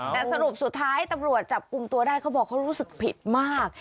แต่สรุปสุดท้ายตำรวจจับกลุ่มตัวได้เขาบอกเขารู้สึกผิดมาก